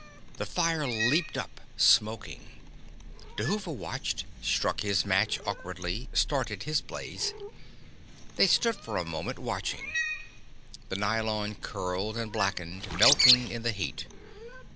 The fire leaped up, smoking. Dhuva watched, struck his match awkwardly, started his blaze. They stood for a moment watching. The nylon curled and blackened, melting in the heat.